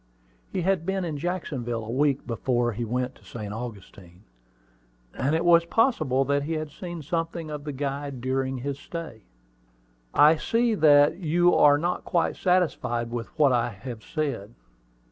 He had been in Jacksonville a week before he went to St. Augustine; and it was possible that he had seen something of the guide during his stay. "I see that you are not quite satisfied with what I have said.